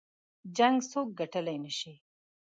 جـنګ څوك ګټلی نه شي